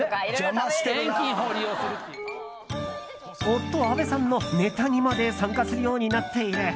夫あべさんのネタにまで参加するようになっている。